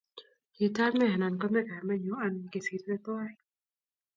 Kitamee, anan kome kamenyu anan kesirte tuwai